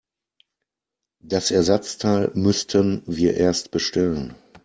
Das Ersatzteil müssten wir erst bestellen.